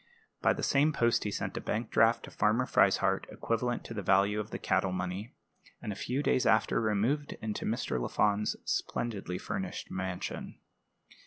By the same post he sent a bank draft to Farmer Frieshardt equivalent to the value of the cattle money; and a few days after removed into Mr. Lafond's splendidly furnished mansion.